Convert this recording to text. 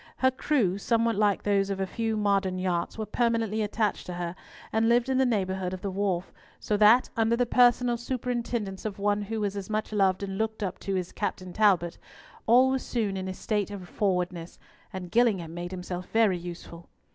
Her crew, somewhat like those of a few modern yachts, were permanently attached to her, and lived in the neighbourhood of the wharf, so that, under the personal superintendence of one who was as much loved and looked up to as Captain Talbot, all was soon in a state of forwardness, and Gillingham made himself very useful.